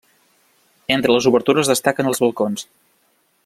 Entre les obertures destaquen els balcons.